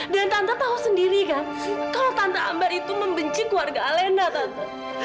dan tante tahu sendiri kan kalau tante ambar itu membenci keluarga alena tante